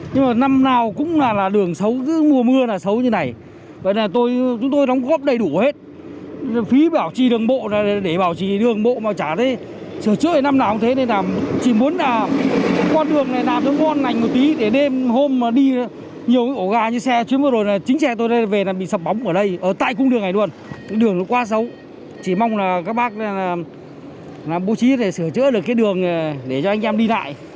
chỉ mong là các bác làm bố trí để sửa chữa được cái đường để cho anh em đi lại